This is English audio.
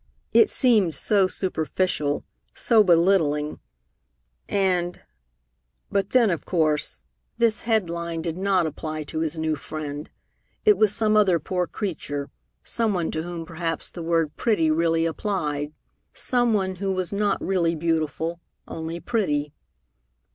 It seemed so superficial, so belittling, and but then, of course, this headline did not apply to his new friend. It was some other poor creature, some one to whom perhaps the word "pretty" really applied; some one who was not really beautiful, only pretty.